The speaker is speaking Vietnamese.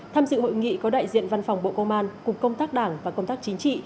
tham dự hội nghị có đại diện văn phòng bộ công an cục công tác đảng và công tác chính trị